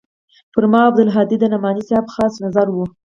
پر ما او عبدالهادي د نعماني صاحب خاص نظر و.